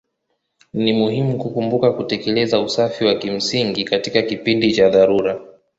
Ni muhimu kukumbuka kutekeleza usafi wa kimsingi katika kipindi cha dharura.